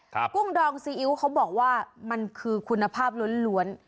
กุ้งดองซีอิ๊วเขาบอกว่ามันคือคุณภาพล้วนล้วน